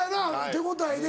手応えで。